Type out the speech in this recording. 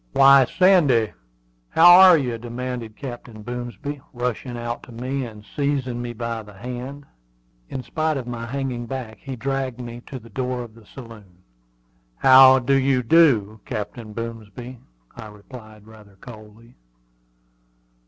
"Why, Sandy, how are you?" demanded Captain Boomsby, rushing out to me and seizing me by the hand. In spite of my hanging back, he dragged me to the door of the saloon. "How do you do, Captain Boomsby?" I replied coldly.